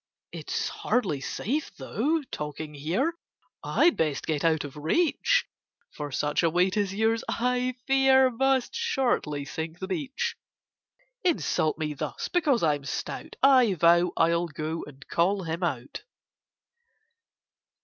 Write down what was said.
"It's hardly safe, though, talking here— I'd best get out of reach: For such a weight as yours, I fear, Must shortly sink the beach!"— Insult me thus because I'm stout! I vow I'll go and call him out!